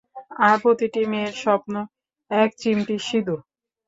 আর প্রতিটি মেয়ের স্বপ্ন, এক চিমটি সিদুর।